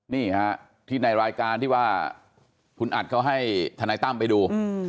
นี่ฮะที่ในรายการที่ว่าคุณอัดเขาให้ทนายตั้มไปดู